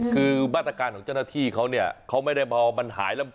คือมาตรการของเจ้าหน้าที่เขาเนี่ยเขาไม่ได้มามันหายแล้ว